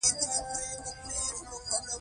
عبدالغفارخان وايي: یا به يو کيږي که نه ورکيږی.